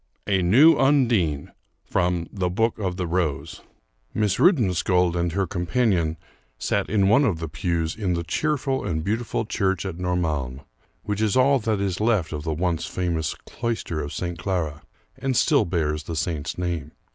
A NEW UNDINE From 'The Book of the Rose' Miss Rudensköld and her companion sat in one of the pews in the cheerful and beautiful church of Normalm, which is all that is left of the once famous cloister of St. Clara, and still bears the saint's name.